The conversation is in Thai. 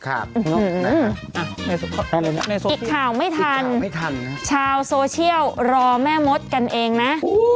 ครับนะครับอีกข่าวไม่ทันชาวโซเชียลรอแม่มดกันเองนะ